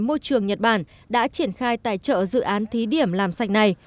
môi trường nhật bản đã triển khai tài trợ dự án thí điểm làm sạch này